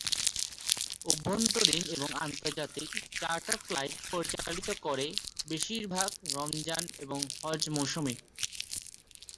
অভ্যন্তরীণ এবং আন্তর্জাতিক চার্টার ফ্লাইট পরিচালিত করে, বেশিরভাগ রমজান এবং হজ্ব মৌসুমে।